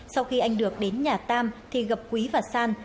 sau khi anh được đến nhà tam thì gặp quý và san